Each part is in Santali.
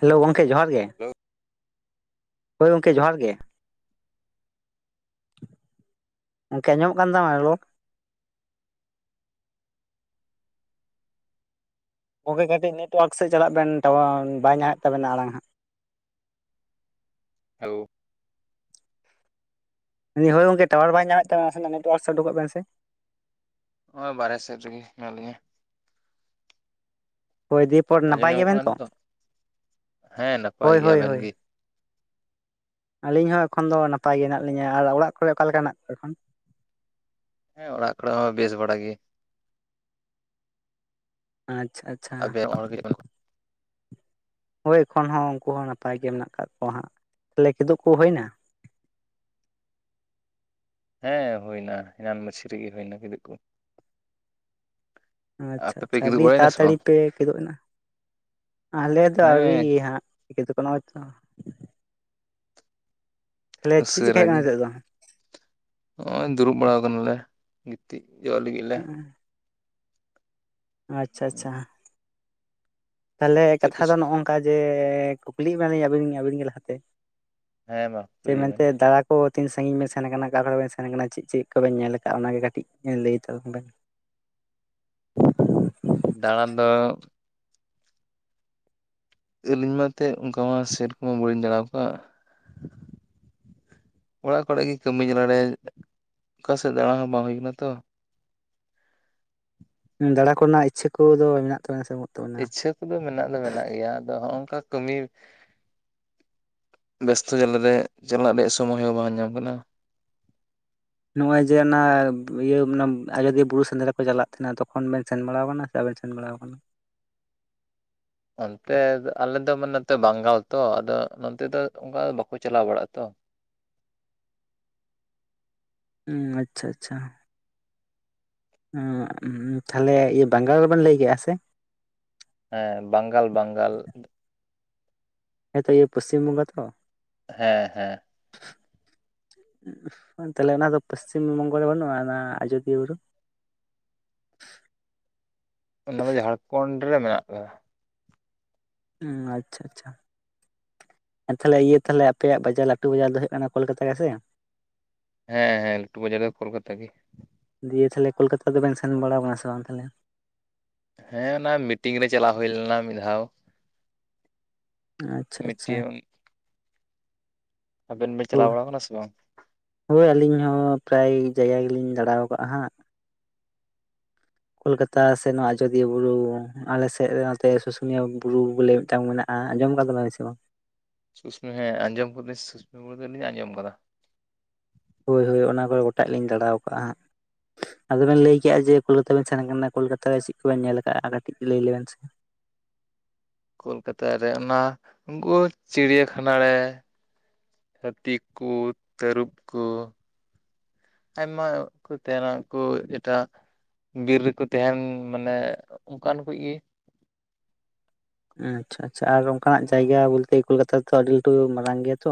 ᱦᱮᱞᱳ ᱜᱚᱝᱠᱮ ᱡᱚᱦᱟᱨ ᱜᱮᱼᱼ ᱦᱮᱞᱳᱣ ᱦᱳᱭ ᱜᱚᱝᱠᱮ ᱡᱚᱦᱟᱨ ᱜᱮ᱾ ᱜᱚᱝᱠᱮ ᱟᱸᱡᱚᱢᱚᱜ ᱠᱟᱱ ᱛᱟᱢᱟ [inaudible] ᱜᱚᱝᱠᱮ ᱠᱟᱹᱴᱤᱡ ᱱᱮᱴᱚᱣᱟᱨᱠ ᱥᱮᱫ ᱪᱟᱞᱟᱜ ᱵᱮᱱ ᱴᱟᱣᱟᱨ ᱵᱟᱭ ᱧᱟᱢᱮᱫ ᱛᱟᱵᱮᱱᱟ ᱟᱲᱟᱝ ᱦᱟᱸᱜ᱾ ᱦᱮᱞᱳ ᱩᱱᱤ ᱦᱳᱭ ᱜᱚᱝᱠᱮ ᱴᱟᱣᱟᱨ ᱵᱟᱭ ᱧᱟᱢᱮᱫ ᱛᱟᱢᱟ ᱱᱟᱥᱮᱱᱟᱜ ᱱᱮᱴᱚᱣᱟᱨᱠᱥ ᱥᱮᱫ ᱩᱰᱩᱚᱜ ᱵᱮᱱ ᱥᱮ᱾ ᱱᱚᱜ-ᱚᱭ ᱵᱟᱨᱦᱮ ᱥᱮᱫ ᱨᱮᱜᱮ ᱦᱮᱱᱟᱜ ᱞᱤᱧᱟᱹ ᱦᱳᱭ ᱫᱤᱭᱮᱯᱚᱨ ᱟᱸᱡᱚᱢ ᱱᱟᱯᱟᱭ ᱧᱟᱢᱚᱜ ᱜᱮᱭᱟᱵᱱ ᱠᱟᱱᱟ ᱛᱚ? ᱱᱤᱛᱚᱜ ᱦᱮᱸ ᱱᱟᱯᱟᱭ ᱦᱳᱭ ᱜᱮ ᱦᱳᱭ ᱟᱵᱮᱱ ᱦᱳᱭ ᱜᱮ ᱟᱹᱞᱤᱧ ᱦᱚᱸ ᱮᱠᱷᱚᱱ ᱫᱚ ᱱᱟᱯᱟᱭ ᱜᱮ ᱦᱮᱱᱟᱜ ᱞᱤᱧᱟᱹ ᱟᱨ ᱚᱲᱟᱜ ᱠᱚᱨᱮ ᱚᱠᱟ ᱞᱮᱠᱟ ᱦᱮᱱᱟᱜ ᱠᱚᱣᱟ ᱮᱠᱷᱚᱱ? ᱦᱮᱸ ᱚᱲᱟᱜ ᱠᱚᱨᱮ ᱦᱚᱸ ᱵᱮᱥ ᱵᱟᱲᱟ ᱜᱮ᱾ ᱟᱪᱪᱷᱟ ᱟ [unintelligible] ᱦᱳᱭ ᱮᱠᱷᱚᱱ ᱦᱚᱸ ᱩᱝᱠᱩ ᱦᱚᱸ ᱱᱟᱯᱟᱭ ᱜᱮ ᱢᱮᱱᱟᱜ ᱠᱟᱜ ᱠᱚᱣᱟ ᱦᱟᱸᱜ, ᱛᱟᱦᱞᱮ ᱠᱤᱫᱩᱜ ᱠᱚ ᱦᱩᱭᱳᱱᱟ? ᱦᱮᱸ ᱦᱩᱭ ᱮᱱᱟᱱ ᱢᱟᱹᱪᱷᱤ ᱨᱮᱜᱮ ᱦᱩᱭᱱᱟ ᱠᱤᱫᱩᱜ ᱠᱩ᱾ ᱟᱪᱪᱷᱟ ᱟᱯᱮ ᱯᱮ ᱟᱪᱪᱷᱟ ᱠᱤᱫᱩᱵ ᱟᱹᱰᱤ ᱵᱟᱲᱟᱭᱮᱱᱟ ᱥᱮ ᱛᱟᱛᱟᱹᱲᱤ ᱵᱟᱝ ᱯᱮ ᱠᱮᱫᱚᱜ ᱮᱱᱟ, ᱟᱞᱮ ᱫᱚ ᱟᱹᱣᱨᱤ ᱦᱮᱸ ᱦᱟᱸᱜ᱾ [unintelligible] ᱱᱚᱜᱼᱚᱭ ᱛᱚ᱾ ᱛᱟᱦᱚᱞᱮ ᱪᱮᱫ ᱪᱤᱠᱟᱹᱭ ᱩᱥᱟᱹᱨᱟ ᱦᱩᱭᱩᱜ ᱠᱟᱱᱟ ᱜᱮ ᱱᱤᱛᱚᱜ ᱱᱚᱜᱼᱚᱭ ᱫᱩᱲᱩᱵ ᱵᱟᱲᱟ ᱠᱟᱱᱟᱞᱮ᱾ ᱜᱤᱛᱤᱡ ᱡᱚᱜ ᱞᱟᱹᱜᱤᱫ ᱞᱮ᱾ ᱟᱪᱪᱷᱟ ᱟᱪᱪᱷᱟ ᱛᱟᱦᱞᱮ ᱪᱮᱫ ᱯᱮ ᱠᱟᱛᱷᱟ ᱫᱚ ᱪᱤᱠᱟᱹ ᱱᱚᱜᱼᱚᱝᱠᱟ ᱡᱮ, ᱠᱩᱠᱞᱤ ᱢᱮᱭᱟᱵᱤᱱ ᱟᱹᱵᱤᱱ ᱟᱵᱤᱱ ᱜᱮ ᱞᱟᱦᱟᱛᱮ᱾ ᱦᱮᱸ ᱢᱟ ᱪᱮ ᱠᱩᱞᱤᱭ ᱵᱮᱱ ᱢᱮᱱᱛᱮ ᱫᱟᱬᱟ ᱠᱚ ᱛᱤᱱ ᱥᱟᱺᱜᱤᱧ ᱵᱮᱱ ᱥᱮᱱ ᱠᱟᱱᱟ ᱚᱠᱟ ᱠᱚᱨᱮ ᱵᱮᱱ ᱥᱮᱱ ᱠᱟᱱᱟ ᱪᱮᱫ ᱪᱮᱫ ᱠᱚᱵᱮᱱ ᱧᱮᱞ ᱟᱠᱟᱫ ᱚᱱᱟᱜᱮ ᱠᱟᱹᱴᱤᱡ ᱞᱟᱹᱭ ᱛᱟᱵᱚᱱ ᱵᱮᱱ? ᱫᱟᱬᱟᱱ ᱫᱚ ᱟᱹᱞᱤᱧ ᱢᱟ ᱮᱛᱮᱜ ᱚᱝᱠᱟ ᱢᱟ ᱥᱮᱨᱚᱠᱚᱢᱟ ᱵᱟᱹᱞᱤᱧ ᱫᱬᱟᱣ ᱠᱟᱜ᱾ ᱚᱲᱟᱜ ᱠᱚᱨᱮᱜ ᱜᱮ ᱠᱟᱹᱢᱤ ᱡᱟᱞᱟ ᱨᱮ ᱚᱠᱟ ᱥᱮᱜ ᱫᱟᱬᱟ ᱦᱚᱸ ᱵᱟᱝ ᱦᱩᱭ ᱠᱟᱱᱟ ᱛᱚ᱾ ᱚᱸ ᱫᱟᱬᱟ ᱠᱚᱨᱮᱱᱟᱜ ᱤᱪᱷᱟᱹ ᱠᱚᱫᱚ ᱢᱮᱱᱟᱜ ᱛᱟᱵᱮᱱᱟ ᱥᱮ ᱵᱟᱝ? ᱤᱪᱷᱟᱹ ᱠᱚᱫᱚ ᱢᱮᱱᱟᱜ ᱫᱚ ᱢᱮᱱᱟᱜ ᱜᱮᱭᱟ, ᱟᱫᱚ ᱦᱚᱸᱜᱼᱚᱝᱠᱟ ᱠᱟᱹᱢᱤ ᱵᱮᱥᱛᱚ ᱡᱟᱞᱟ ᱨᱮ ᱪᱟᱞᱟᱜ ᱨᱮᱭᱟᱜ ᱥᱳᱢᱚᱭ ᱦᱚᱸ ᱵᱟᱝ ᱧᱟᱢ ᱠᱟᱱᱟ᱾ ᱱᱚᱜᱼᱚᱭ ᱡᱮ ᱚᱱᱟ ᱤᱭᱟᱹ ᱚᱱᱟ ᱟᱡᱚᱫᱤᱭᱟᱹ ᱵᱩᱨᱩ ᱥᱮᱸᱫᱽᱨᱟ ᱠᱚ ᱪᱟᱞᱟᱜ ᱛᱟᱦᱮᱱᱟ ᱛᱚᱠᱷᱚᱱ ᱵᱮᱱ ᱥᱮᱱ ᱵᱟᱲᱟᱣ ᱠᱟᱱᱟ? [unintelligible] ᱥᱮᱱ ᱵᱟᱲᱟᱣ ᱠᱟᱱᱟ᱾ ᱚᱱᱛᱮ ᱟᱞᱮᱫᱚ ᱢᱟᱱᱮ ᱱᱚᱛᱮ ᱵᱟᱝᱜᱟᱞ ᱛᱚ ᱟᱫᱚ ᱱᱚᱱᱛᱮ ᱫᱚ ᱚᱝᱠᱟ ᱵᱟᱠᱚ ᱪᱟᱞᱟᱣ ᱵᱟᱲᱟᱜᱼᱟ ᱛᱚ᱾ ᱩᱸ ᱟᱪᱪᱷᱟ ᱟᱪᱪᱷᱟ ᱚᱸ ᱛᱷᱟᱞᱮ ᱤᱭᱟᱹ ᱵᱟᱝᱜᱟᱞ ᱷᱮᱵᱮᱱ ᱞᱟᱹᱭ ᱠᱮᱜᱼᱟ ᱥᱮ? ᱦᱮᱸ ᱵᱟᱝᱜᱟᱞ ᱵᱟᱝᱜᱟᱞ᱾ ᱦᱮᱸ ᱛᱚ ᱤᱭᱟᱹ ᱯᱚᱥᱪᱤᱢ ᱵᱚᱝᱜᱟ ᱛᱚ? ᱦᱮᱸ ᱦᱮᱸ [inaudible] ᱚ ᱛᱟᱦᱞᱮ ᱚᱱᱟ ᱫᱚ ᱯᱚᱥᱪᱤᱢ ᱵᱚᱝᱜᱚ ᱨᱮ ᱵᱟᱹᱱᱩᱜᱼᱟ ᱚᱱᱟ ᱟᱡᱚᱫᱤᱭᱟᱹ ᱵᱩᱨᱩ? ᱚᱱᱟ ᱫᱚ ᱡᱷᱟᱲᱠᱷᱚᱸᱰ ᱨᱮ ᱢᱮᱱᱟᱜ ᱠᱟᱫᱟ᱾ ᱩᱸ ᱟᱪᱪᱷᱟ ᱟᱪᱪᱷᱟ ᱟ ᱛᱟᱦᱞᱮ ᱤᱭᱟᱹ ᱛᱟᱦᱞᱮ ᱟᱯᱮᱭᱟᱜ ᱵᱟᱡᱟᱨ ᱞᱟᱹᱴᱩ ᱵᱟᱡᱟᱨ ᱫᱚ ᱦᱩᱭᱩᱜ ᱠᱟᱱᱟ ᱠᱳᱞᱠᱟᱛᱟ ᱜᱮᱥᱮ? ᱦᱮᱸ ᱦᱮᱸ ᱞᱟᱹᱴᱩ ᱵᱟᱡᱟᱨ ᱫᱚ ᱠᱳᱞᱠᱟᱛᱟ ᱜᱤ᱾ ᱫᱤᱭᱮ ᱛᱟᱦᱞᱮ ᱠᱳᱞᱠᱟᱛᱟ ᱫᱚ ᱵᱮᱱ ᱥᱮᱱ ᱵᱟᱲᱟᱣ ᱠᱟᱱᱟ ᱥᱮ ᱵᱟᱝ ᱛᱟᱦᱞᱮ? ᱦᱮᱸ ᱚᱱᱟ ᱢᱤᱴᱤᱝ ᱨᱮ ᱪᱟᱞᱟᱣ ᱦᱩᱭ ᱞᱮᱱᱟ ᱢᱤᱫ ᱫᱷᱟᱣ᱾ ᱟᱪᱪᱷᱟ ᱟᱪᱪᱷᱟ ᱢᱤᱫᱴᱮᱱ ᱟᱵᱮᱱ ᱵᱮᱱ ᱪᱟᱞᱟᱣ ᱵᱟᱲᱟ ᱠᱟᱱᱟ ᱥᱮ ᱵᱟᱝ? ᱦᱳᱭ ᱟᱹᱞᱤᱧ ᱦᱚᱸ ᱯᱨᱟᱭ ᱡᱟᱭᱜᱟ ᱜᱮᱞᱤᱧ ᱫᱟᱬᱟᱣ ᱠᱟᱜᱼᱟ ᱦᱟᱸᱜ᱾ ᱠᱳᱞᱠᱟᱛᱟ ᱥᱮ ᱱᱚᱣᱟ ᱟᱡᱚᱫᱤᱭᱟᱹ ᱵᱩᱨᱩ ᱟᱞᱮ ᱥᱮᱜ ᱱᱚᱛᱮ ᱥᱩᱥᱩᱱᱤᱭᱟᱹ ᱵᱩᱨᱩ ᱵᱚᱞᱮ ᱢᱤᱫᱴᱟᱝ ᱢᱮᱱᱟᱜᱼᱟ᱾ ᱟᱸᱡᱚᱢ ᱠᱟᱫᱟ ᱵᱮᱱ ᱥᱮ ᱵᱟᱝ? [unintelligible] ᱦᱮᱸ ᱟᱸᱡᱚᱢ ᱠᱟᱫᱟᱹᱧ ᱥᱩᱥᱥᱩᱱᱤ ᱵᱩᱨᱩ ᱫᱚᱞᱤᱧ ᱟᱸᱡᱚᱢ ᱠᱟᱫᱟ᱾ ᱦᱳᱭ ᱦᱳᱭ ᱚᱱᱟ ᱠᱚᱫᱚ ᱜᱚᱴᱟᱜ ᱞᱤᱧ ᱫᱟᱬᱟᱣ ᱠᱟᱜᱼᱟ ᱦᱟᱸᱜ᱾ ᱟᱫᱚ ᱵᱮᱱ ᱞᱟᱹᱭ ᱠᱮᱜᱼᱟ ᱡᱮ ᱠᱳᱞᱠᱟᱛᱟ ᱵᱮᱱ ᱥᱮᱱ ᱠᱟᱱᱟ ᱠᱳᱞᱠᱟᱛᱟ ᱨᱮ ᱪᱮᱜ ᱠᱚᱵᱮᱱ ᱧᱮᱞ ᱠᱟᱜᱼᱟ ᱠᱟᱹᱴᱤᱡ ᱞᱟᱹᱭ ᱞᱮᱵᱮᱱ ᱥᱮ? ᱠᱳᱞᱠᱟᱛᱟ ᱨᱮ ᱚᱱᱟ ᱩᱝᱠᱩ ᱪᱤᱲᱤᱭᱟ ᱠᱷᱟᱱᱟ ᱨᱮ ᱦᱟᱹᱛᱤ ᱠᱚ, ᱛᱟᱹᱨᱩᱵ ᱠᱚ᱾ ᱟᱭᱢᱟ ᱠᱚ ᱛᱟᱦᱱᱟ ᱩᱝᱠᱩ ᱮᱴᱟᱜ ᱵᱤᱨ ᱨᱮᱠᱚ ᱛᱟᱦᱮᱱ ᱢᱟᱱᱮ ᱚᱝᱠᱟᱱ ᱠᱩᱭᱤᱡ ᱜᱤ᱾ ᱟᱪᱪᱷᱟ ᱟᱪᱪᱷᱟ ᱟᱨ ᱚᱝᱠᱟᱱᱟᱜ ᱡᱟᱭᱜᱟ ᱵᱚᱞᱛᱮ ᱠᱳᱞᱠᱟᱛᱟ ᱛᱚ ᱟᱹᱰᱤ ᱞᱟᱹᱴᱩ ᱢᱟᱨᱟᱝ ᱜᱮᱭᱟ ᱛᱚ᱾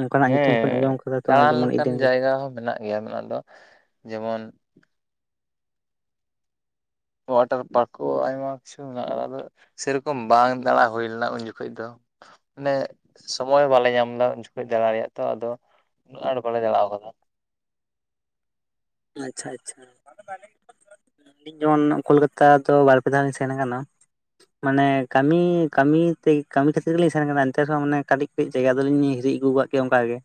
ᱚᱱᱠᱟᱱᱟᱜ ᱧᱩᱛᱩᱢ ᱠᱷᱚᱱ ᱟᱸᱡᱚᱢ ᱠᱟᱫᱟ ᱛᱚ ᱡᱮᱢᱚᱱ ᱤᱰᱮᱱ ᱜᱟᱰᱮ ᱡᱟ ᱦᱚᱸ ᱭᱟ ᱱᱚᱣᱟ ᱫᱚ ᱡᱮᱢᱚᱱ ᱚᱳᱣᱟᱴᱟᱨ ᱯᱟᱨᱠ ᱠᱚ ᱟᱭᱢᱟ ᱠᱤᱪᱷᱩ ᱢᱮᱱᱟᱜᱼᱟ ᱟᱠᱟᱫᱟ ᱛᱚ᱾ ᱥᱮᱨᱚᱠᱚᱢ ᱵᱟᱝ ᱫᱟᱬᱟ ᱦᱩᱭ ᱞᱮᱱᱟ ᱩᱱ ᱡᱚᱠᱷᱚᱱ ᱫᱚ᱾ ᱢᱟᱱᱮ ᱥᱚᱢᱚᱭ ᱵᱟᱞᱮ ᱧᱟᱢ ᱞᱮᱫᱟ ᱩᱱ ᱡᱚᱠᱷᱚᱡ ᱫᱟᱬᱟ ᱨᱮᱭᱟᱜ ᱛᱚ, ᱟᱫᱚ ᱩᱱᱟᱹᱜ ᱟᱸᱴ ᱵᱟᱞᱮ ᱫᱟᱬᱟ ᱟᱠᱟᱫᱟ᱾ ᱟᱪᱪᱷᱟ - ᱟᱪᱪᱷᱟ ᱤᱧ ᱡᱮᱢᱚᱱ ᱠᱳᱞᱠᱟᱛᱟ ᱫᱚ ᱵᱟᱨ ᱯᱮ ᱫᱷᱟᱣ ᱞᱤᱧ ᱥᱮᱱ ᱟᱠᱟᱱᱟ᱾ ᱢᱟᱱᱮ ᱠᱟᱹᱢᱤ ᱠᱟᱹᱢᱤ ᱛᱮ ᱠᱟᱹᱢᱤ ᱠᱷᱟᱹᱛᱤᱨ ᱜᱮᱞᱤᱧ ᱥᱮᱱ ᱠᱟᱱᱟ ᱮᱱᱛᱮ ᱨᱮᱦᱚᱸ ᱢᱟᱱᱮ ᱠᱟᱹᱴᱤᱡ ᱠᱟᱹᱡ ᱡᱟᱭᱜᱟ ᱫᱚᱞᱤᱧ ᱦᱤᱨᱤ ᱟᱹᱜᱩ ᱟᱠᱟᱫ ᱠᱮᱭᱟ ᱚᱱᱠᱟ ᱜᱮ᱾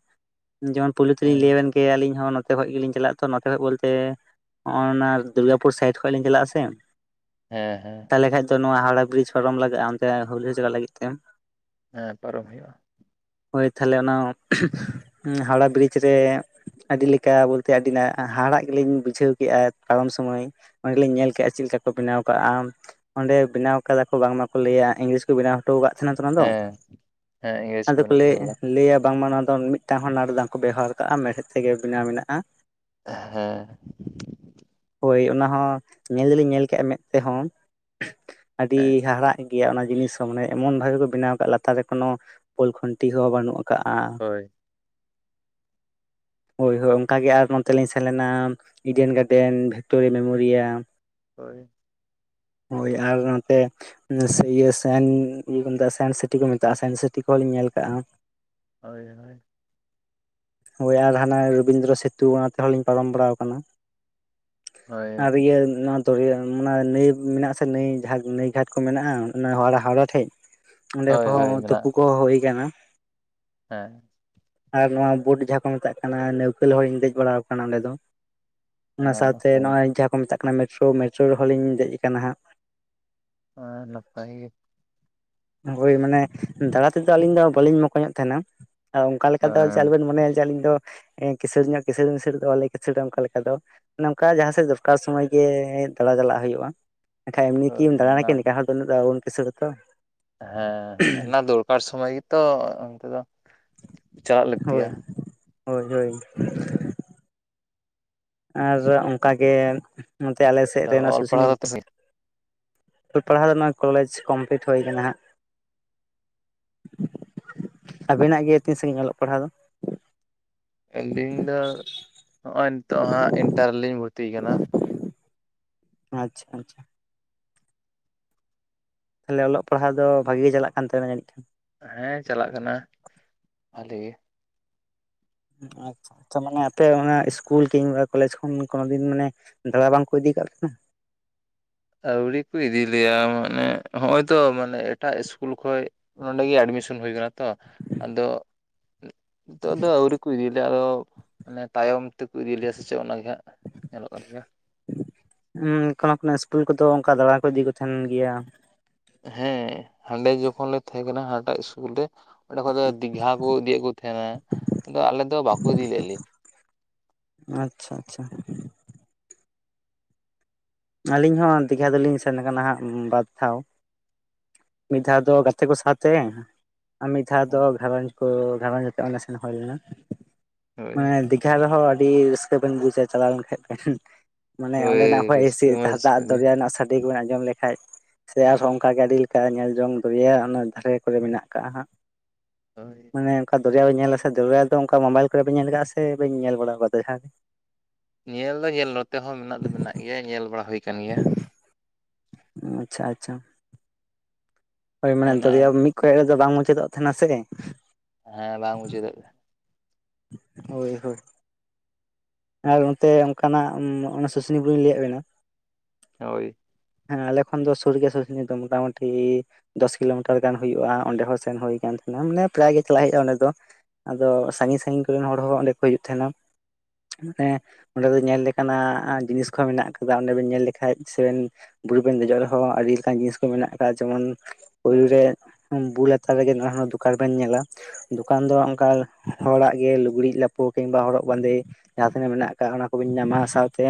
ᱡᱮᱢᱚᱱ ᱯᱩᱭᱞᱩ ᱛᱤ ᱞᱤᱧ ᱦᱮᱸ ᱞᱟᱹᱭ ᱟᱹᱵᱤᱱ ᱜᱮᱭᱟ ᱟᱞᱤᱧ ᱦᱚᱸ, ᱚᱛᱮ ᱠᱷᱚᱱ ᱜᱮᱞᱤᱧ ᱪᱟᱞᱟᱜ ᱛᱚ᱾ ᱵᱚᱞᱛᱮ ᱱᱚᱜᱼᱚᱭ ᱚᱱᱟ ᱫᱩᱨᱜᱟᱯᱩᱨ ᱥᱟᱭᱤᱰ ᱠᱷᱚᱡ ᱞᱤᱧ ᱪᱟᱞᱟᱜᱼᱟ ᱥᱮ ᱦᱮᱸ ᱦᱮᱸ ᱛᱟᱦᱚᱞᱮ ᱠᱷᱟᱱᱡ ᱫᱚ ᱱᱚᱣᱟ ᱦᱟᱣᱲᱟ ᱵᱨᱤᱡᱽ ᱯᱟᱨᱚᱢ ᱞᱟᱜᱟᱜᱼᱟ᱾ ᱚᱱᱛᱮ ᱦᱩᱜᱞᱤ ᱪᱟᱞᱟᱜ ᱞᱟᱹᱜᱤᱫ ᱛᱮ ᱦᱮᱸ ᱯᱟᱨᱚᱢ ᱦᱩᱭᱩᱜᱼᱟ᱾ ᱦᱳᱭ ᱛᱟᱦᱚᱞᱮ ᱚᱱᱟ ᱦᱟᱣᱲᱟ ᱵᱨᱤᱡᱽ ᱨᱮ ᱟᱹᱰᱤ ᱞᱮᱠᱟ ᱵᱚᱞᱛᱮ ᱟᱹᱰᱤᱱᱟᱜ ᱦᱟᱦᱟᱲᱟᱜ ᱜᱮᱞᱤᱧ ᱵᱩᱡᱷᱟᱹᱣ ᱠᱮᱜᱼᱟ᱾ ᱯᱟᱨᱚᱢ ᱥᱚᱢᱚᱭ ᱚᱸᱰᱮ ᱞᱤᱧ ᱧᱮᱞ ᱠᱮᱜᱼᱟ, ᱪᱮᱫ ᱞᱮᱠᱟ ᱠᱚ ᱵᱮᱱᱟᱣ ᱠᱟᱜᱼᱟ᱾ ᱚᱸᱰᱮ ᱵᱮᱱᱟᱣ ᱟᱠᱟᱫᱟ ᱠᱚ ᱵᱟᱝᱢᱟᱠᱚ ᱞᱟᱹᱭᱟ ᱤᱝᱞᱤᱥ ᱵᱮᱱᱟᱣ ᱦᱚᱴᱚ ᱟᱠᱟᱫ ᱛᱟᱦᱮᱱᱟ ᱚᱱᱟ ᱫᱚ, ᱦᱮᱸ ᱦᱮᱸ ᱤᱝᱨᱮᱡᱽ ᱟᱫᱚ ᱠᱚ ᱵᱮᱱᱟᱣ ᱦᱚᱴᱚ ᱞᱮᱫᱟ ᱞᱟᱹᱭᱟ ᱵᱟᱝᱢᱟ ᱱᱚᱣᱟ ᱫᱚ ᱢᱤᱫ ᱢᱤᱫᱴᱟᱝ ᱦᱚᱸ ᱱᱟᱲ ᱫᱟᱝ ᱠᱚ ᱵᱮᱣᱦᱟᱨ ᱠᱟᱜᱼᱟ, ᱢᱮᱲᱦᱮᱫ ᱛᱮᱜᱮ ᱵᱮᱱᱟᱣ ᱢᱮᱱᱟᱜᱼᱟ᱾ ᱦᱮᱸ ᱦᱳᱭ ᱚᱱᱟ ᱦᱚᱸ ᱧᱮᱞ ᱫᱚᱞᱤᱧ ᱧᱮᱜᱼᱟ ᱢᱮᱫ ᱛᱮᱦᱚᱸ ᱟᱹᱰᱤ ᱦᱮᱸ ᱦᱟᱦᱟᱲᱟᱜ ᱜᱮᱭᱟ ᱚᱱᱟ ᱡᱤᱱᱤᱥ ᱦᱚᱸ ᱢᱟᱱᱮ ᱮᱢᱚᱱ ᱵᱷᱟᱵᱮ ᱠᱚ ᱵᱮᱱᱟᱣ ᱟᱠᱟᱫ ᱞᱟᱛᱟᱨ ᱨᱮ ᱠᱳᱚᱱᱳ ᱵᱳᱚᱞ ᱠᱷᱩᱱᱴᱤ ᱦᱚᱸ ᱵᱟᱹᱱᱩᱜᱼᱟ᱾ ᱠᱟᱜᱼᱟ ᱦᱳᱭ ᱦᱳᱭ ᱦᱳᱭ ᱚᱱᱠᱟ ᱜᱮ ᱟᱨ ᱱᱚ ᱛᱮᱞᱤᱧ ᱥᱮᱱ ᱞᱮᱱᱟ ᱰᱤᱭᱟᱱ ᱜᱟᱨᱰᱮᱱ ᱵᱷᱤᱠᱴᱳᱨᱤᱭᱟ, ᱢᱮᱢᱳᱨᱤᱭᱟᱞ, ᱦᱳᱭ ᱦᱳᱭ ᱟᱨ ᱱᱚᱛᱮ ᱤᱭᱟᱹ ᱥᱟᱱ ᱤᱭᱟᱠᱚᱢᱮᱛᱟᱜᱼᱟ ᱢᱮᱛᱟᱜ ᱥᱟᱭᱮᱱᱥ ᱥᱤᱴᱤ ᱠᱚ ᱢᱮᱛᱟᱜᱼᱟ᱾ ᱥᱟᱭᱮᱱᱥ ᱥᱤᱴᱤ ᱠᱚᱦᱚᱸ ᱞᱤᱧ ᱧᱮᱞ ᱟᱠᱟᱜᱼᱟ᱾ ᱦᱳᱭ - ᱦᱳᱭ ᱦᱳᱭ ᱟᱨ ᱦᱟᱱᱟ ᱨᱚᱵᱤᱱᱫᱨᱚ ᱥᱮᱛᱩ ᱚᱱᱟ ᱛᱮᱦᱚᱸᱞᱤᱧ ᱯᱟᱨᱚᱢ ᱵᱟᱲᱟᱣ ᱟᱠᱟᱱᱟ᱾ ᱦᱳᱭ ᱟᱨ ᱤᱭᱟᱹ ᱱᱚ ᱫᱚᱨᱭᱟ ᱚᱱᱟ ᱱᱟᱹᱭ ᱢᱮᱱᱟᱜᱼᱟᱥᱮ ᱱᱟᱹᱭ ᱡᱟᱦᱟᱸ ᱱᱟᱹᱭ ᱜᱷᱟᱴ ᱠᱚ ᱢᱮᱱᱟᱜᱼᱟ᱾ ᱚᱱᱟ ᱦᱟᱣᱲᱟ ᱴᱷᱮᱡ ᱚᱸᱰᱮ ᱦᱳᱭ ᱦᱳᱭ ᱠᱚᱦᱚᱸ ᱛᱩᱯᱩ ᱢᱮᱱᱟᱜᱼᱟ ᱠᱚᱦᱚᱸ ᱦᱩᱭ ᱟᱠᱟᱱᱟ ᱾ ᱦᱮᱸ ᱾ ᱟᱨ ᱱᱚᱣᱟ ᱵᱚᱴ ᱡᱟᱦᱟᱸ ᱠᱚ ᱢᱮᱛᱟᱜ ᱠᱟᱱᱟ ᱱᱟᱹᱣᱠᱟᱹ ᱨᱮ ᱦᱚᱞᱤᱧ ᱫᱮᱡ ᱵᱟᱲᱟ ᱟᱠᱟᱱᱟ ᱚᱸᱰᱮ ᱫᱚ ᱾ ᱚᱱᱟ ᱥᱟᱶᱛᱮ ᱱᱟᱯᱟᱭ ᱱᱚᱜᱼᱚᱭ ᱡᱟᱦᱟᱸ ᱠᱚ ᱢᱮᱛᱟᱜ ᱠᱟᱱᱟ ᱢᱮᱴᱨᱳ, ᱢᱮᱴᱨᱳ ᱨᱮᱦᱚᱸ ᱞᱤᱧ ᱫᱮᱡ ᱟᱠᱟᱱᱟ ᱦᱟᱸᱜ ᱦᱚᱭ ᱱᱟᱯᱟᱭ ᱜᱮ ᱾ ᱦᱳᱭ ᱢᱟᱱᱮ ᱫᱟᱬᱟ ᱛᱮᱫᱚ ᱟᱹᱞᱤᱧ ᱫᱚ ᱵᱟᱹᱞᱤᱧ ᱢᱚᱠᱚᱧᱚᱜ ᱛᱟᱦᱮᱱᱟ, ᱟᱨ ᱚᱱᱠᱟ ᱞᱮᱠᱟ ᱫᱚ ᱦᱮᱸ ᱡᱮ ᱟᱞᱚᱵᱮᱱ ᱢᱚᱱᱮᱭᱟ ᱡᱮ ᱟᱹᱞᱤᱧ ᱫᱚ ᱠᱤᱥᱟᱹᱬ ᱧᱚᱜ ᱠᱤᱥᱟᱬ ᱢᱤᱥᱟᱹᱲ ᱫᱚ ᱵᱟᱞᱮ ᱠᱤᱥᱟᱹᱲᱟ ᱚᱱᱠᱟ ᱞᱮᱠᱟ ᱫᱚ ᱚᱱᱮ ᱚᱱᱠᱟ ᱡᱟᱦᱟᱸ ᱥᱮᱫ ᱫᱚᱨᱠᱟᱨ ᱥᱚᱢᱚᱭ ᱜᱮ ᱫᱟᱬᱟ ᱪᱟᱞᱟᱜ ᱦᱩᱭᱩᱜᱼᱟ, ᱮᱱᱠᱷᱟᱡ ᱮᱢᱱᱤ ᱦᱳᱭ ᱠᱤᱢ ᱫᱟᱬᱟᱱᱟ ᱚᱱᱟ ᱠᱤ ᱱᱮᱛᱟᱨ ᱦᱚᱲ ᱫᱚ ᱩᱱᱟᱹᱜ ᱫᱚ ᱵᱟᱵᱚᱱ ᱠᱤᱥᱟᱹᱬᱟ ᱛᱚ ᱾ ᱦᱮᱸ ᱦᱮᱸ ᱚᱱᱟ ᱫᱚᱨᱠᱟᱨ ᱥᱚᱢᱚᱭ ᱜᱮᱛᱚ ᱚᱱᱛᱮ ᱫᱚ ᱪᱟᱞᱟᱜ ᱞᱟᱹᱠᱛᱤᱭᱟ ᱦᱳᱭ ᱦᱳᱭ ᱦᱳᱭ [unintelligible] ᱟᱨ ᱚᱱᱠᱟᱜᱮ ᱱᱚᱛᱮ ᱟᱞᱮ ᱟᱫᱚ ᱥᱮᱫᱨᱮ ᱚᱞ ᱥᱩᱥᱩᱱᱤ ᱯᱟᱲᱦᱟᱣ ᱫᱚ ᱠᱚ ᱛᱤᱥ ᱚᱞᱚᱜ ᱯᱟᱲᱦᱟᱣ ᱫᱚ ᱚᱱᱟ ᱠᱚᱞᱮᱡᱽ ᱠᱚᱢᱯᱤᱞᱤᱴ ᱦᱩᱭ ᱠᱟᱱᱟ ᱦᱟᱸᱜ ᱾ ᱟᱵᱤᱱ ᱱᱟᱜ ᱜᱮ ᱛᱤᱱ ᱥᱟᱺᱜᱤᱧ ᱚᱞᱚᱜ ᱯᱟᱲᱦᱟᱣ ᱫᱚ? ᱟᱹᱞᱤᱧ ᱫᱚ ᱱᱚᱜᱼᱚᱭ ᱱᱤᱛᱚᱜ ᱦᱟᱸᱜ ᱤᱱᱴᱟᱨ ᱨᱮᱞᱤᱧ ᱵᱷᱚᱨᱛᱤ ᱠᱟᱱᱟ᱾ ᱟᱪᱪᱷᱟ ᱟᱪᱪᱷᱟ ᱛᱟᱦᱚᱞᱮ ᱚᱞᱚᱜ ᱯᱟᱲᱦᱟᱣ ᱫᱚ ᱵᱷᱟᱜᱮ ᱜᱮ ᱪᱟᱞᱟᱜ ᱠᱟᱱ ᱛᱟᱵᱤᱱᱟ ᱡᱟᱹᱱᱤᱡ ᱠᱷᱟᱱ? ᱦᱮᱸ ᱪᱟᱞᱟᱜ ᱠᱟᱱᱟ ᱵᱷᱟᱹᱞᱮ ᱜᱮ ᱟᱪᱪᱷᱟ ᱟᱪᱪᱷᱟ ᱢᱟᱱᱮ ᱟᱯᱮ ᱚᱱᱟ ᱤᱥᱠᱩᱞ ᱠᱤᱢᱵᱟ ᱠᱚᱞᱮᱡᱽ ᱠᱷᱚᱱ ᱠᱳᱱᱚ ᱫᱤᱱ ᱢᱟᱱᱮ ᱫᱟᱬᱟ ᱵᱟᱝᱠᱚ ᱤᱫᱤ ᱠᱟᱜ ᱯᱮ? [unintelligible] ᱟᱹᱣᱨᱤ ᱠᱚ ᱤᱫᱤᱞᱮᱭᱟ ᱢᱟᱱᱮ ᱦᱚᱜ ᱚᱭ ᱛᱚ ᱢᱟᱱᱮ ᱮᱴᱟᱜ ᱤᱥᱠᱩᱞ ᱠᱷᱚᱡ ᱱᱚᱰᱮᱜᱮ ᱮᱰᱢᱤᱥᱚᱱ ᱦᱩᱭ ᱠᱟᱱᱟ ᱛᱚ ᱟᱫᱚ ᱱᱤᱛᱚᱜ ᱫᱚ ᱟᱹᱣᱨᱤ ᱠᱚ ᱤᱫᱤ ᱞᱮᱭᱟ ᱟᱫᱚ ᱢᱟᱱᱮ ᱛᱟᱭᱚᱢ ᱛᱮᱠᱚ ᱤᱫᱤᱞᱮᱭᱟ ᱥᱮ ᱪᱮᱫ ᱚᱱᱟᱜᱮ ᱦᱟᱸᱜ [inaudible] ᱧᱮᱞᱚᱜ ᱠᱟᱱ ᱜᱮᱭᱟ ᱩ ᱠᱳᱱᱳ ᱠᱳᱱᱳ ᱤᱥᱠᱩᱞ ᱠᱚᱫᱚ ᱚᱱᱠᱟ ᱫᱟᱬᱟ ᱠᱚ ᱤᱫᱤ ᱠᱚ ᱛᱟᱦᱮᱱ ᱜᱮᱭᱟ ᱦᱮᱸ ᱦᱟᱸᱰᱮ ᱡᱚᱠᱷᱚᱱ ᱞᱮ ᱛᱟᱦᱮᱸ ᱠᱟᱱᱟ ᱦᱟᱱᱟᱴᱟᱜ ᱤᱥᱠᱩᱞ ᱨᱮ ᱚᱸᱰᱮ ᱠᱷᱚᱡ ᱫᱚ ᱫᱤᱜᱷᱟ ᱠᱚ ᱤᱫᱤᱭᱮᱫ ᱠᱚ ᱛᱟᱦᱮᱸᱱᱟ ᱟᱫᱚ ᱟᱞᱮᱫ ᱫᱚ ᱵᱟᱠᱚ ᱤᱫᱤ ᱞᱮᱫ ᱞᱮᱭᱟ ᱟᱪᱪᱷᱟ ᱟᱪᱪᱷᱟ [inaudible] ᱟᱞᱤᱧ ᱦᱚᱸ ᱫᱤᱜᱷᱟ ᱫᱚᱞᱤᱧ ᱥᱮᱱ ᱠᱟᱱᱟ ᱦᱟᱸᱜ ᱵᱟᱨ ᱫᱷᱟᱣ ᱢᱤᱫ ᱫᱷᱟᱣ ᱫᱚ ᱜᱟᱛᱮ ᱠᱚ ᱥᱟᱣᱛᱮ ᱟᱨ ᱢᱤᱫ ᱫᱷᱟᱣ ᱫᱚ ᱜᱷᱟᱸᱨᱚᱸᱧᱡᱽ ᱠᱚ ᱜᱷᱟᱨᱚᱸᱡᱽ ᱟᱛᱮ ᱚᱸᱰᱮ ᱥᱮᱱ ᱦᱳᱭ ᱞᱮᱱᱟ, ᱦᱳᱭ ᱢᱟᱱᱮ ᱫᱤ ᱜᱷᱟ ᱨᱮᱦᱚᱸ ᱟᱹᱰᱤ ᱨᱟᱹᱥᱠᱟᱹ ᱵᱤᱱ ᱵᱩᱡᱟ ᱪᱟᱞᱟᱣ ᱞᱮᱱ ᱠᱷᱟᱡ ᱵᱤᱱ, ᱢᱟᱱᱮ ᱦᱳᱭ ᱚᱸᱰᱮᱱᱟᱜ ᱦᱚᱭ ᱦᱤᱥᱤ ᱨᱟᱹᱥᱠᱟᱹ ᱢᱟ [unintelligible] ᱨᱟᱹᱥᱠᱟᱹ ᱫᱟᱜ ᱜᱮ ᱫᱚᱨᱭᱟ ᱨᱮᱱᱟᱜ ᱥᱟᱰᱮ ᱠᱚ ᱵᱮᱱ ᱟᱸᱡᱚᱢ ᱞᱮᱠᱟᱡ ᱥᱮ ᱟᱨᱦᱚᱸ ᱚᱱᱠᱟ ᱜᱮ ᱟᱹᱰᱤ ᱞᱮᱠᱟ ᱧᱮᱞ ᱡᱚᱝ ᱫᱚᱨᱭᱟ ᱚᱱᱟ ᱫᱷᱟᱨᱮ ᱠᱚᱨᱮ ᱢᱮᱱᱟᱜ ᱠᱟᱜᱼᱟ ᱦᱟᱸᱜ, ᱦᱳᱭ ᱢᱟᱱᱮ ᱚᱱᱠᱟ ᱫᱚᱨᱭᱟ ᱵᱮᱱ ᱧᱮᱞᱟ ᱥᱮ ᱫᱚᱨᱭᱟ ᱫᱚ ᱚᱱᱠᱟ ᱢᱳᱵᱟᱭᱤᱞ ᱠᱚᱨᱮ ᱵᱤᱱ ᱧᱮᱞ ᱠᱟᱜᱼᱟ ᱥᱮ ᱵᱤᱱ ᱧᱮᱞ ᱵᱟᱲᱟ ᱟᱠᱟᱣᱫᱟ ᱡᱟᱦᱟᱸ ᱨᱮ ᱧᱮᱞ ᱫᱚ ᱧᱮᱞ ᱱᱚᱛᱮ ᱦᱚᱸ ᱢᱮᱱᱟᱜ ᱫᱚ ᱢᱮᱱᱟᱜ ᱜᱮᱭᱟ ᱧᱮᱞ ᱵᱟᱲᱟ ᱦᱩᱭ ᱠᱟᱱ ᱜᱮᱭᱟ ᱟᱪᱪᱷᱟ ᱟᱪᱪᱷᱟ ᱦᱳᱭ ᱢᱟᱱᱮ ᱚᱱᱟ ᱫᱚᱨᱭᱟ ᱢᱤᱫ ᱠᱚᱭᱚᱜ ᱨᱮᱫᱚ ᱵᱟᱝ ᱢᱩᱪᱟᱹᱫᱚᱜ ᱛᱟᱦᱮᱱᱟ ᱥᱮ ᱦᱮᱸ ᱵᱟᱝ ᱢᱩᱪᱟᱹᱫᱚᱜ ᱜᱮ ᱦᱳᱭ ᱦᱳᱭ ᱟᱨ ᱚᱱᱛᱮ ᱚᱱᱠᱟᱱᱟᱜ ᱚᱱᱟ ᱥᱩᱥᱩᱱᱤ ᱵᱩᱨᱩᱧ ᱞᱟᱹᱭᱟᱫ ᱵᱤᱱᱟ, ᱦᱳᱭ ᱾ ᱦᱮᱸ ᱟᱞᱮ ᱠᱷᱚᱱ ᱫᱚ ᱥᱩᱨ ᱜᱮᱭᱟ ᱥᱩᱥᱩᱱᱤ ᱫᱚ ᱢᱚᱴᱟᱢᱩᱴᱤ ᱫᱚᱥ ᱠᱤᱞᱳᱢᱤᱴᱟᱨ ᱜᱟᱱ ᱦᱩᱭᱩᱜᱼᱟ ᱚᱸᱰᱮ ᱦᱚᱸ ᱥᱮᱱ ᱦᱩᱭ ᱠᱟᱱ ᱛᱟᱦᱮᱱᱟ ᱢᱟᱱᱮ ᱯᱨᱟᱭ ᱜᱮ ᱪᱟᱞᱟᱜ ᱦᱩᱭᱩᱜᱼᱟ ᱚᱸᱰᱮ ᱫᱚ ᱟᱫᱚ ᱥᱟᱺᱜᱤᱧ ᱥᱟᱺᱜᱤᱧ ᱠᱚᱨᱤᱱ ᱦᱚᱲ ᱦᱚᱸ ᱚᱸᱰᱮ ᱠᱚ ᱦᱤᱡᱩᱜ ᱛᱟᱦᱮᱱᱟ। [unintelligible] ᱚᱸᱰᱮ ᱫᱚ ᱧᱮᱞ ᱞᱮᱠᱟᱱᱟᱼᱜ ᱡᱤᱱᱤᱥ ᱠᱚᱦᱚᱸ ᱢᱮᱱᱟᱜ ᱠᱟᱫᱟ᱾ ᱚᱸᱰᱮ ᱵᱮᱱ ᱧᱮᱞ ᱞᱮᱠᱷᱟᱡ ᱥᱮᱵᱮᱱ ᱵᱩᱨᱩᱵᱮᱱ ᱫᱮᱡᱚᱜ ᱨᱮᱦᱚᱸ ᱟᱹᱰᱤ ᱞᱮᱠᱟᱱ ᱡᱤᱱᱤᱥ ᱠᱚ ᱢᱮᱱᱟᱜ ᱟᱠᱟᱫ ᱡᱮᱢᱚᱱ ᱯᱩᱭᱞᱳ ᱨᱮ ᱵᱩ ᱞᱟᱛᱟᱨ ᱨᱮᱜᱮ ᱱᱟᱣᱟ ᱦᱚᱸ ᱫᱚᱠᱟᱱ ᱵᱮᱱ ᱧᱮᱞᱟ᱾ ᱫᱚᱠᱟᱱ ᱫᱚ ᱚᱱᱠᱟ ᱦᱚᱲᱟᱜ ᱜᱮ ᱞᱩᱜᱽᱲᱤᱡ ᱞᱟᱯᱚ ᱠᱤᱢᱵᱟ ᱦᱚᱨᱚᱜ ᱵᱟᱸᱫᱮ ᱡᱟᱦᱟᱸ ᱛᱤᱱᱟᱹᱜ ᱢᱮᱱᱟᱜ ᱟᱠᱟᱜ ᱚᱱᱟ ᱠᱚᱵᱤᱱ ᱧᱟᱢᱟ ᱥᱟᱶᱛᱮ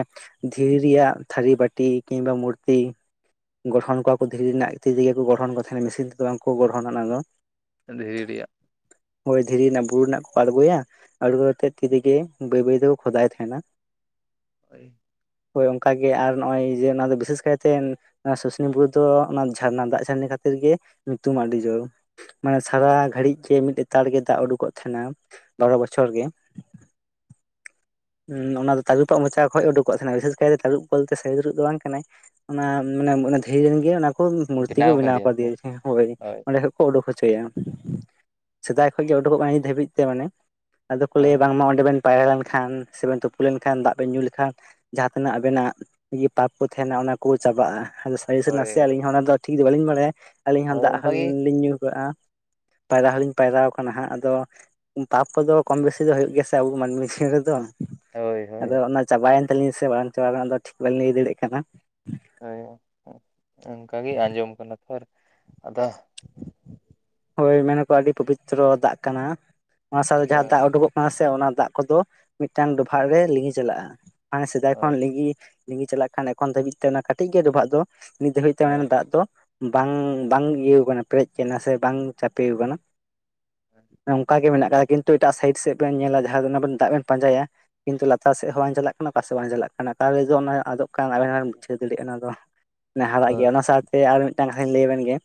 ᱫᱷᱤᱨᱤ ᱨᱮᱭᱟᱼᱜ ᱛᱷᱟᱹᱨᱤ, ᱵᱟᱹᱴᱤ, ᱠᱤᱝᱵᱟ ᱢᱩᱨᱛᱤ᱾ ᱜᱚᱲᱦᱚᱱ ᱠᱚᱣᱟ ᱠᱚ ᱫᱷᱤᱨᱤ ᱨᱮᱱᱟᱜ ᱤᱛᱤ ᱛᱮᱜᱮ ᱠᱚ ᱜᱚᱲᱦᱚᱱ ᱠᱚ ᱛᱟᱦᱮᱸᱱᱟ᱾ ᱢᱮᱹᱥᱤᱱ ᱛᱮᱫᱚ ᱵᱟᱝᱠᱚ ᱜᱚᱲᱦᱚᱱᱟ ᱚᱱᱟ ᱫᱚ᱾ ᱫᱷᱤᱨᱤ ᱨᱮᱭᱟᱜ᱾ ᱦᱳᱭ ᱫᱷᱤᱨᱤ ᱨᱮᱱᱟᱜ ᱵᱩᱨᱩ ᱨᱮᱱᱟᱜ ᱠᱚ ᱟᱬᱜᱚᱭᱟ᱾ ᱟᱬᱜᱚᱠᱟᱛᱮᱫ ᱛᱤᱨᱤᱮ ᱵᱟᱹᱭ ᱵᱟᱹᱭ ᱫᱚ ᱠᱷᱚᱫᱟᱭ ᱛᱟᱦᱮᱱᱟ᱾ ᱦᱳᱭ ᱦᱳᱭ ᱚᱱᱠᱟ ᱜᱮ ᱟᱨ ᱱᱚᱜᱼᱚᱭ ᱡᱮ ᱚᱱᱟ ᱫᱚ ᱵᱤᱥᱮᱥ ᱠᱟᱭᱛᱮ ᱚᱱᱟ ᱥᱩᱥᱱᱤ ᱵᱩᱨᱩ ᱫᱚ ᱚᱱᱟ ᱡᱷᱟᱨᱱᱟ ᱫᱟᱜ ᱡᱷᱟᱹᱨᱱᱤ ᱠᱷᱟᱹᱛᱤᱨ ᱜᱮ ᱧᱩᱛᱩᱢᱟ ᱟᱹᱰᱤ ᱡᱳᱨ᱾ ᱢᱟᱱᱮ ᱥᱟᱨᱟ ᱜᱷᱟᱹᱲᱤᱡ ᱜᱮ ᱢᱤᱫ ᱞᱮᱛᱟᱲ ᱜᱮ ᱫᱟᱜ ᱩᱰᱩᱠᱚᱜ ᱛᱟᱦᱮᱱᱟᱺ ᱵᱟᱨᱚ ᱵᱚᱪᱷᱚᱨ ᱜᱮ᱾ ᱦᱸ ᱚᱱᱟ ᱫᱚ ᱛᱟᱹᱨᱩᱵᱟᱜ ᱢᱚᱪᱟ ᱠᱷᱚᱡ ᱩᱰᱩᱠᱚᱜ ᱛᱟᱦᱮᱱᱟ᱾ ᱵᱤᱥᱮᱥ ᱠᱟᱭᱛᱮ ᱛᱟᱹᱨᱩᱵ ᱵᱚᱞᱛᱮ ᱥᱟᱹᱨᱤ ᱛᱟᱹᱨᱩᱵ ᱫᱚ ᱵᱟᱝ ᱠᱟᱱᱟᱭ᱾ ᱚᱱᱟ ᱢᱟᱱᱮ ᱫᱷᱤᱨᱤ ᱨᱮᱱ ᱜᱮ ᱚᱱᱟ ᱠᱚ ᱢᱩᱨᱛᱤ ᱠᱚ ᱵᱮᱱᱟᱣ ᱠᱟᱫᱮᱭᱟ ᱠᱚ ᱟᱠᱟᱫᱮᱭᱟ᱾ ᱦᱳᱭ ᱚᱸᱰᱮ ᱳᱰᱳᱠ ᱦᱚᱪᱚᱭᱟ᱾ ᱥᱮᱫᱟᱭ ᱠᱷᱚᱱ ᱜᱮ ᱳᱰᱳᱠᱚᱜ ᱠᱟᱱᱟ ᱱᱤᱛ ᱫᱷᱟᱹᱵᱤᱡ ᱛᱮ ᱢᱟᱱᱮ᱾ ᱟᱫᱚ ᱠᱚ ᱞᱟᱹᱭᱟ ᱦᱳᱭ ᱵᱟᱝᱢᱟ ᱚᱸᱰᱮ ᱵᱮᱱ ᱯᱟᱭᱨᱟ ᱞᱮᱱᱠᱷᱟᱱ ᱥᱮ ᱵᱮᱱ ᱛᱩᱯᱩ ᱞᱮᱱᱠᱷᱟᱱ, ᱫᱟᱜ ᱵᱮᱱ ᱧᱩ ᱞᱮᱠᱷᱟᱱ ᱡᱟᱦᱟᱸᱛᱤᱱᱟᱹᱜ ᱟᱵᱮᱱᱟᱜ ᱤᱭᱟᱹ ᱯᱟᱯ ᱠᱚ ᱛᱟᱦᱮᱱᱟ ᱚᱱᱟ ᱠᱚ ᱪᱟᱵᱟᱜ-ᱟ᱾ [unintelligible] ᱥᱟᱨᱤ ᱥᱮ ᱱᱟᱥᱮ ᱟᱹᱞᱤᱧ ᱦᱚᱸ ᱚᱱᱟ ᱫᱚ ᱴᱷᱤᱠ ᱫᱚ ᱵᱟᱹᱞᱤᱧ ᱵᱟᱲᱟᱭᱟ, ᱟᱹᱞᱤᱧ ᱦᱚᱸ ᱦᱳᱭ ᱫᱟᱜ ᱦᱚᱸ ᱚᱱᱠᱟᱜᱮ ᱞᱤᱧ ᱧᱩ ᱠᱟᱜ-ᱟ᱾ ᱯᱟᱭᱨᱟ ᱦᱚᱞᱤᱧ ᱯᱟᱭᱨᱟᱣ ᱠᱟᱱᱟ ᱦᱟᱸᱜ ᱟᱫᱚ᱾ ᱯᱟᱯ ᱠᱚᱫᱚ ᱠᱚᱢ ᱵᱤᱥᱤ ᱫᱚ ᱦᱩᱭᱩᱜ ᱜᱮᱭᱟ ᱥᱮ ᱟᱵᱚ ᱢᱟᱹᱱᱢᱤ ᱡᱤᱭᱚᱱ ᱨᱮᱫᱚ᱾ ᱫᱚ, ᱦᱳᱭ ᱦᱳᱭ ᱟᱫᱚ ᱚᱱᱟ ᱪᱟᱵᱟᱭᱮᱱ ᱛᱟᱹᱟᱞᱤᱧᱟ ᱥᱮ ᱵᱟᱝ ᱪᱟᱵᱟ ᱞᱮᱱᱟ, ᱚᱱᱟ ᱫᱚ ᱴᱷᱤᱠ ᱵᱟᱹᱞᱤᱧ ᱟᱹᱭ ᱫᱟᱲᱮᱭᱟᱜ ᱠᱟᱱᱟ᱾ ᱦᱳᱭ, ᱚᱜᱠᱟᱜᱮ ᱟᱸᱡᱚᱢ ᱠᱟᱱᱟ ᱯᱚᱨ ᱟᱫᱚ ᱦᱳᱭ, ᱢᱮᱱᱟᱠᱚ ᱟᱹᱰᱤ ᱯᱚᱵᱤᱛᱨᱚ ᱫᱟᱜ ᱠᱟᱱᱟ, ᱚᱱᱟ ᱥᱟᱶᱛᱮ ᱡᱟᱦᱟᱸ ᱫᱟᱜ ᱦᱳᱭ ᱳᱰᱳᱠᱚᱜ ᱠᱟᱱᱟ ᱥᱮ, ᱚᱱᱟ ᱫᱟᱜ ᱠᱚᱫᱚ ᱢᱤᱫᱴᱟᱝ ᱰᱚᱵᱷᱟᱜ ᱨᱮ ᱞᱤᱸᱜᱤ ᱪᱟᱞᱟᱜ-ᱟ ᱦᱟᱱᱮ ᱥᱮᱫᱟᱭ ᱦᱳᱭ ᱠᱷᱚᱱ ᱞᱤᱸᱜᱤ ᱞᱤᱸᱜᱤ ᱪᱟᱞᱟᱜ ᱠᱟᱱ ᱮᱠᱷᱚᱱ ᱫᱷᱟᱹᱵᱤᱡ ᱛᱮ ᱚᱱᱟ ᱠᱟᱹᱴᱤᱡ ᱜᱮᱭᱟ ᱰᱚᱵᱷᱟᱜ ᱫᱚ ᱱᱤᱛ ᱫᱷᱟᱹᱵᱤᱡ ᱛᱮ ᱚᱱᱟ ᱦᱳᱭ ᱫᱟᱜ ᱫᱚ ᱵᱟᱝ ᱵᱟᱝ ᱤᱭᱟᱹᱣ ᱠᱟᱱᱟ ᱯᱮᱨᱮᱡ ᱠᱟᱱᱟ ᱥᱮ ᱵᱟᱝ ᱪᱟᱯᱮᱣ ᱠᱟᱱᱟ᱾ ᱚᱝᱠᱟᱜᱮ ᱢᱮᱱᱟᱜ ᱠᱟᱫᱟ᱾ ᱠᱤᱱᱛᱩ ᱮᱴᱟᱜ ᱥᱟᱭᱤᱰ ᱥᱮᱫ ᱵᱮᱱ ᱧᱮᱞᱟ ᱡᱟᱦᱟᱸ ᱫᱚ ᱚᱱᱟ ᱵᱮᱱ ᱫᱟᱜ ᱵᱮᱱ ᱯᱟᱸᱡᱟᱭᱟ ᱠᱤᱱᱛᱩ ᱞᱟᱛᱟᱨ ᱥᱮᱫ ᱦᱚᱸ ᱵᱟᱝ ᱪᱟᱞᱟᱜ ᱠᱟᱱᱟ ᱚᱠᱟ ᱥᱮᱫ ᱵᱟᱝ ᱪᱟᱞᱟᱜ ᱠᱟᱱᱟ᱾ ᱚᱠᱟᱨᱮ ᱡᱮ ᱚᱱᱟ ᱟᱫᱚᱜ ᱠᱟᱱ ᱟᱞᱟᱝ ᱦᱚᱸ ᱵᱟᱞᱟᱝ ᱵᱩᱡᱷᱟᱹᱣ ᱫᱟᱲᱮᱭᱟᱜ ᱠᱟᱱᱟ ᱚᱱᱟ ᱫᱚ᱾ ᱱᱮ ᱦᱟᱨᱟᱜ ᱦᱳᱭ ᱜᱮᱭᱟ ᱚᱱᱟ ᱥᱟᱶᱛᱮ ᱟᱨ ᱢᱤᱫᱴᱟᱱ ᱠᱟᱛᱷᱟᱧ ᱞᱟᱹᱭ ᱟᱵᱮᱱ ᱜᱮ᱾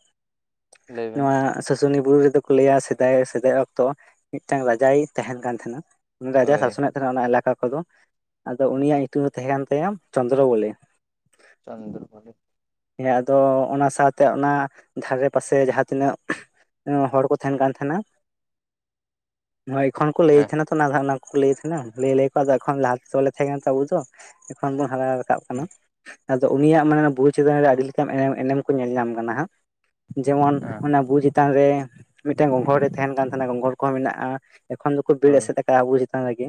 ᱞᱟᱹᱭ ᱵᱮᱱ [unintelligible] ᱥᱩᱱᱤ ᱵᱩᱨᱩ ᱨᱮᱫᱚ ᱠᱚ ᱞᱟᱹᱭᱟ ᱥᱮᱫᱟᱭ ᱥᱮᱫᱟᱭ ᱚᱠᱛᱚ ᱢᱤᱫᱴᱟᱝ ᱨᱟᱡᱟᱭ ᱛᱟᱦᱮᱱ ᱠᱟᱱ ᱛᱟᱦᱮᱱᱟ᱾ ᱩᱱᱤ ᱨᱟᱡᱟᱭ ᱦᱳᱭ ᱥᱟᱥᱚᱱᱮᱫ ᱛᱟᱦᱮᱱᱟ ᱚᱱᱟ ᱮᱞᱟᱠᱟ ᱠᱚᱫᱚ, ᱟᱫᱚ ᱩᱱᱤᱭᱟᱜ ᱧᱩᱛᱩᱢ ᱫᱚ ᱛᱟᱦᱮᱸ ᱠᱟᱱ ᱛᱟᱭᱟ ᱪᱚᱱᱫᱨᱚ ᱵᱚᱞᱮ᱾ ᱪᱚᱱᱫᱨᱚ ᱵᱚᱞᱮ᱾ ᱦᱮᱸ ᱟᱫᱚ ᱚᱱᱟ ᱥᱟᱶᱛᱮ ᱚᱱᱟ ᱫᱷᱟᱨᱮ ᱯᱟᱥᱮ ᱡᱟᱦᱟᱸ ᱛᱤᱱᱟᱹᱜ᱾ ᱦᱚᱲ ᱠᱚ ᱛᱟᱦᱮᱱ ᱠᱟᱱ ᱛᱟᱦᱮᱱᱟ, [unintelligible] ᱮᱠᱷᱚᱱ ᱠᱚ ᱞᱟᱹᱭ ᱦᱮᱸ ᱛᱟᱦᱮᱱᱟ᱾ ᱚᱱᱟ ᱫᱷᱟᱨᱚᱱᱟ ᱠᱚ ᱞᱟᱹᱭ ᱛᱟᱸᱦᱮᱱᱟ, ᱞᱟᱹᱭ ᱞᱟᱹᱭ ᱠᱚ ᱟᱫᱚ ᱮᱠᱷᱚᱱ ᱞᱟᱦᱟᱛᱮ ᱵᱟᱞᱮ ᱛᱟᱦᱮᱸ ᱠᱟᱱᱟ ᱛᱚ ᱟᱵᱚᱫᱚ᱾ ᱮᱠᱷᱚᱱ ᱵᱚᱱ ᱦᱟᱨᱟ ᱨᱟᱠᱟᱵ ᱠᱟᱱᱟ ᱟᱫᱚ ᱩᱱᱤᱭᱟᱜ ᱢᱟᱱᱮ ᱵᱩᱡᱽ᱾ ᱪᱮᱛᱟᱱ ᱨᱮ ᱟᱹᱰᱤ ᱞᱮᱠᱟᱱ ᱮᱱᱮᱢ ᱮᱱᱮᱢ ᱠᱚ ᱧᱮᱞ ᱧᱟᱢ ᱠᱟᱱᱟ ᱦᱟᱸᱜ᱾ ᱡᱮᱢᱚᱱ ᱦᱮᱸ ᱚᱱᱟ ᱵᱩᱡᱽ ᱪᱮᱛᱟᱱ ᱨᱮ ᱢᱤᱫᱴᱟᱝ ᱜᱚᱜᱚ ᱦᱚᱲᱮ ᱛᱟᱦᱮᱱ ᱠᱟᱱ ᱛᱟᱦᱮᱱᱟ, ᱜᱚᱸᱜᱷᱚᱲ ᱠᱚᱦᱚᱸ ᱢᱮᱱᱟᱜ-ᱟ᱾ ᱮᱠᱷᱚᱱ ᱫᱚᱠᱚ ᱫᱟᱹᱲ ᱦᱳᱭ ᱮᱥᱮᱫ ᱟᱠᱟ ᱟᱵᱚ ᱪᱮᱛᱟᱱ ᱨᱮ ᱜᱮ,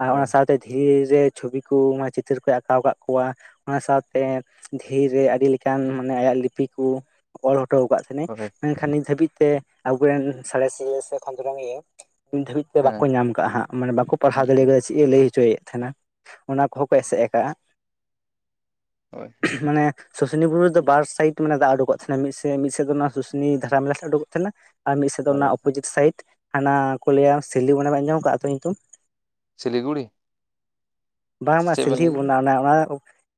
ᱟᱨ ᱱᱚᱜ-ᱚᱱᱟ ᱦᱳᱭ ᱥᱟ ᱫᱷᱤᱨᱤᱮ ᱪᱷᱚᱵᱤ ᱠᱩ ᱢᱟ ᱪᱤᱛᱟᱹᱨ ᱠᱚᱭ ᱟᱸᱠᱟᱣ ᱟᱠᱟᱜ ᱠᱚᱣᱟ ᱚᱱᱟ ᱥᱟᱶᱛᱮ ᱫᱷᱤᱨ ᱨᱮ ᱟᱹᱰᱤ ᱞᱮᱠᱟᱱ ᱢᱟᱱᱮ ᱟᱭᱟᱜ ᱞᱤᱯᱤ ᱠᱩ ᱚᱞ ᱦᱚᱴᱚ ᱟᱠᱟᱫ ᱦᱳᱭ ᱢᱮᱱᱠᱷᱟᱱ ᱱᱤᱛ ᱫᱷᱟᱹᱵᱤᱡ ᱛᱮ ᱟᱵᱚᱨᱮᱱ ᱥᱟᱬᱮᱥᱤᱭᱟᱹ ᱥᱮ ᱠᱷᱚᱸᱫᱽᱨᱚᱱᱤᱭᱟᱹ ᱱᱤᱛ ᱫᱷᱟᱹᱵᱤᱡ ᱛᱮ ᱵᱟᱠᱚ ᱦᱮᱸ ᱧᱟᱢ ᱠᱟᱜ-ᱟ ᱦᱟᱸᱜ ᱢᱟᱱᱮ ᱵᱟᱠᱚ ᱯᱟᱲᱦᱟᱣ ᱫᱟᱲᱮᱭᱟᱠᱟᱫᱟ ᱪᱤ ᱪᱮᱫ-ᱮ ᱞᱟᱹᱭ ᱦᱚᱪᱚᱭᱮᱫ ᱛᱟᱦᱮᱱᱟ? ᱚᱱᱟ ᱠᱚᱦᱚᱸ ᱠᱚ ᱮᱥᱮᱫ ᱟᱠᱟᱜ-ᱟ᱾ ᱦᱳᱭ ᱦᱳᱭ᱾ ᱢᱟᱱᱮ ᱥᱩᱥᱩᱱᱤ ᱵᱩᱨᱩ ᱨᱮᱫᱚ ᱵᱟᱨ ᱥᱟᱭᱤᱴ ᱢᱟᱱᱮ ᱫᱟᱜ ᱩᱰᱩᱠᱚᱜ ᱛᱟᱦᱮᱱᱟ᱾ ᱢᱤᱫ ᱥᱮ ᱢᱤᱫ ᱥᱮᱫ ᱫᱚ ᱚᱱᱟ ᱥᱩᱥᱩᱱᱤ ᱫᱷᱟᱨᱟ ᱢᱮᱞᱟ ᱥᱮᱫ ᱩᱰᱩᱠᱚᱜ ᱛᱟᱦᱮᱱᱟ ᱟᱨ ᱢᱤᱫ ᱥᱮᱫ ᱫᱚ ᱦᱳᱭ ᱚᱱᱟ ᱚᱯᱳᱡᱤᱛ ᱥᱟᱭᱤᱫ ᱦᱟᱱᱟ ᱠᱚ ᱞᱟᱹᱭᱟ ᱥᱤᱞᱤ ᱚᱱᱟ ᱵᱮᱱ ᱟᱸᱡᱚᱢ ᱠᱟᱜ-ᱟ ᱚᱛᱩ ᱧᱩᱛᱩᱢ? ᱥᱤᱞᱤᱜᱩᱲᱤ? ᱥᱮ ᱵᱟᱝ-ᱵᱟᱝ ᱪᱮᱫ ᱵᱮᱱ ᱥᱤᱞᱦᱤ ᱞᱟᱹᱭ ᱠᱮᱫᱟ ᱵᱚᱱᱟ ᱚᱱᱟ ᱚᱱᱟ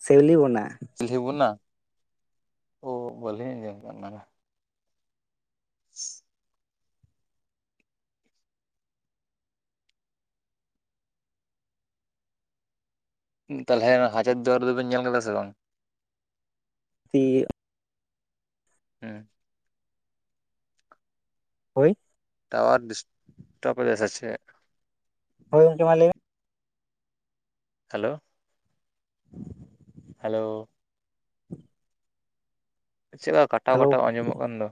ᱥᱤᱣᱞᱤ ᱵᱚᱱᱟ ᱾ ᱥᱤᱞᱤᱵᱚᱱᱟ ᱳ ᱵᱟᱹᱞᱤᱧ ᱟᱡᱚᱢ ᱚᱱᱟᱢᱟ᱾ [inaudible] ᱛᱟᱦᱞᱮ ᱦᱟᱡᱟᱨ ᱫᱚᱨ ᱫᱚ ᱵᱮᱱ ᱧᱮᱞ ᱠᱟᱫᱟ ᱥᱮ ᱵᱟᱝ? ᱛᱤᱭᱟᱹᱜ, ᱦᱩᱸ, ᱦᱳᱭ, ᱴᱟᱣᱟᱨ ᱰᱤᱥᱴᱚᱯ [unintelligible] ᱥᱮ ᱪᱮᱜ? ᱦᱚᱭ ᱜᱚᱢᱠᱮ ᱢᱟ ᱞᱟᱹᱭ ᱦᱮᱞᱳ, ᱦᱮᱞᱳ᱾ ᱪᱮᱫᱟᱜ ᱠᱟᱴᱟᱣ ᱦᱮᱞᱳ ᱠᱟᱴᱟᱣ ᱟᱡᱚᱢᱚᱜ ᱠᱟᱱ ᱫᱚ᱾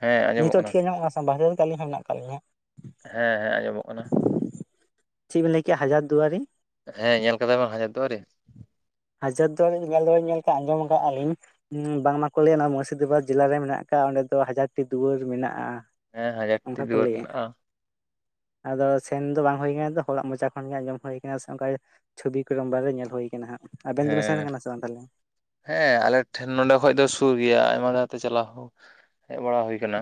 ᱦᱮᱸ ᱟᱸᱡᱚᱢᱚᱜ ᱱᱤᱛᱚᱜ ᱴᱷᱤᱠ ᱧᱟᱢᱚᱜ ᱠᱟᱱᱟ ᱥᱮ ᱵᱟᱨᱦᱮ ᱨᱮᱜᱮ ᱟᱹᱞᱤᱧ ᱦᱚᱸ ᱢᱮᱱᱟᱜ ᱟᱠᱟᱫ ᱞᱤᱧᱟᱹ᱾ ᱦᱮᱸ ᱦᱮᱸ ᱟᱡᱚᱢᱚᱜ ᱠᱟᱱᱟ᱾ ᱪᱮᱫ ᱵᱮᱱ ᱞᱟᱹᱭ ᱠᱮᱫ-ᱟ ᱦᱟᱡᱟᱨ ᱫᱩᱣᱟᱨᱤ? ᱦᱮᱸ ᱧᱮᱞ ᱠᱟᱫᱟ ᱵᱟᱝ ᱦᱟᱡᱟᱨ ᱫᱩᱣᱟᱨᱤ? ᱦᱟᱡᱟᱫ ᱫᱚ ᱞᱤᱧ ᱧᱮᱞ ᱫᱚ ᱧᱮᱞ ᱠᱟᱜ ᱟᱸᱡᱚᱢ ᱟᱠᱟᱫᱼᱟ ᱞᱤᱧ᱾ ᱵᱟᱝᱢᱟ ᱠᱚ ᱞᱟᱹᱭᱟ ᱱᱚᱣᱟ ᱢᱩᱨᱥᱤᱫᱟᱵᱟᱫ ᱡᱮᱞᱟ ᱨᱮ ᱢᱮᱱᱟᱜ ᱟᱠᱟᱫ ᱚᱸᱰᱮ ᱫᱚ ᱦᱟᱡᱟᱨᱴᱤ ᱫᱩᱣᱟᱹᱨ ᱢᱮᱱᱟᱜᱼᱟ᱾ ᱦᱮᱸ ᱦᱟᱡᱟᱨ ᱴᱤ ᱚᱱᱠᱟ ᱠᱚ ᱫᱩᱣᱟᱹᱨ ᱞᱟᱹᱭᱟ ᱢᱮᱱᱟᱜᱼᱟ᱾ ᱟᱫᱚ ᱥᱮᱱ ᱫᱚ ᱵᱟᱝ ᱦᱩᱭ ᱟᱠᱟᱱᱟ ᱦᱚᱲᱟᱜ ᱢᱚᱪᱟ ᱠᱷᱚᱱ ᱜᱮ ᱟᱸᱡᱚᱢ ᱦᱩᱭ ᱟᱠᱟᱱᱟ ᱥᱮ ᱚᱱᱠᱟ ᱪᱷᱚᱵᱤ ᱠᱚ ᱢᱵᱟᱨ ᱨᱮ ᱧᱮᱞ ᱦᱩᱭ ᱠᱟᱱᱟ ᱦᱟᱸᱜ᱾ ᱟᱵᱮᱱ ᱫᱚᱵᱮᱱ ᱥᱮᱱ ᱦᱮᱸ, ᱠᱟᱱᱟ ᱥᱮ ᱵᱟᱝ ᱛᱟᱦᱚᱞᱮ? ᱦᱮᱸ ᱟᱞᱮ ᱴᱷᱮᱱ ᱱᱚᱰᱮ ᱠᱷᱚᱡ ᱫᱚ ᱥᱩᱨ ᱜᱮᱭᱟ᱾ [unintelligible] ᱪᱟᱞᱟᱣ ᱦᱩᱭ ᱦᱮᱡ ᱵᱟᱲᱟ ᱦᱩᱭ ᱠᱟᱱᱟ᱾